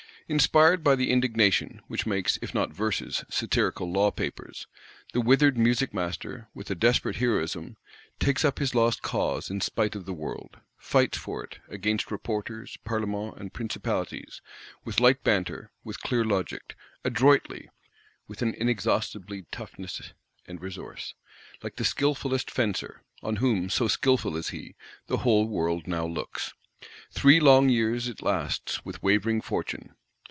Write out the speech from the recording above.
Inspired by the indignation, which makes, if not verses, satirical law papers, the withered Music master, with a desperate heroism, takes up his lost cause in spite of the world; fights for it, against Reporters, Parlements and Principalities, with light banter, with clear logic; adroitly, with an inexhaustible toughness and resource, like the skilfullest fencer; on whom, so skilful is he, the whole world now looks. Three long years it lasts; with wavering fortune.